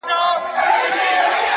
او بل پلو یې د جلال تاثیر